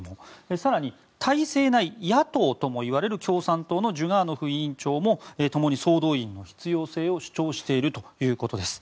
更に体制内野党といわれる共産党のジュガーノフ委員長もともに総動員の必要性を主張しているということです。